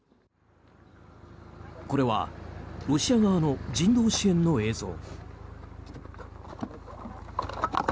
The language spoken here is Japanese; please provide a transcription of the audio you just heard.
これはロシア側の人道支援の映像。